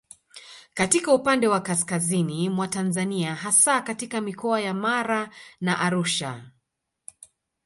Katika upande wa kaskazini mwa Tanzania hasa katika Mikoa ya Mara na Arusha